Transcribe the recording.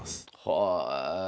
へえ！